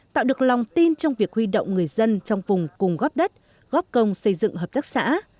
tạo được lòng tin trong việc huy động người dân trong vùng cùng góp đất góp công xây dựng hợp tác xã